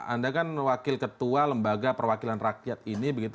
anda kan wakil ketua lembaga perwakilan rakyat ini begitu